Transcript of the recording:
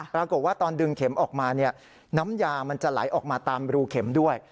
ปรากฏว่าตอนดึงเข็มออกมาน้ำยามันจะไหลออกมาตามรูเข็มด้วย